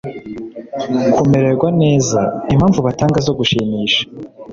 kumererwa neza. Impamvu batanga zo gushimisha